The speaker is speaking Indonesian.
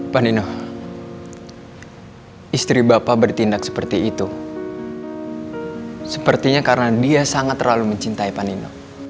panino istri bapak bertindak seperti itu sepertinya karena dia sangat terlalu mencintai panino